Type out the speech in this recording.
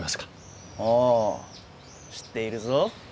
ああ知っているぞ。